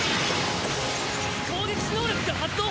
攻撃時能力が発動。